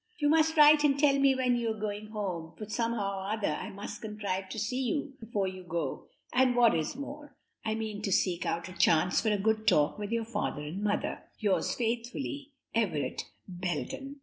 "You must write and tell me when you are going home, for somehow or other I must contrive to see you before you go, and what is more, I mean to seek out a chance for a good talk with your father and mother. "'Yours faithfully, "'Everett Belden.'"